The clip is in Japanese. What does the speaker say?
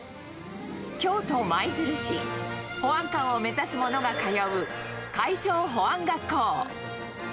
京都・舞鶴市、保安官を目指す者が通う海上保安学校。